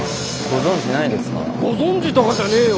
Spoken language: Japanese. ご存じとかじゃねえよ。